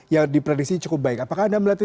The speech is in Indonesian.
yang diprediksi cukup baik apakah anda melihat ini